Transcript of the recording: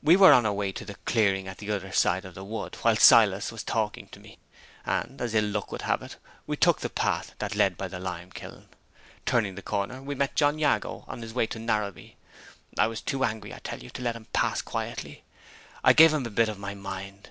"We were on our way to the clearing at the other side of the wood while Silas was talking to me; and, as ill luck would have it, we took the path that led by the lime kiln. Turning the corner, we met John Jago on his way to Narrabee. I was too angry, I tell you, to let him pass quietly. I gave him a bit of my mind.